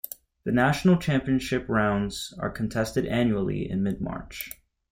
The national championship rounds are contested annually in mid-March.